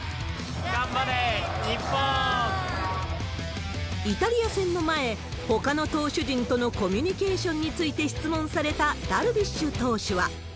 頑張れ、イタリア戦の前、ほかの投手陣とのコミュニケーションについて質問されたダルビッシュ投手は。